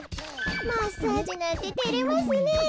マッサージなんててれますねえ。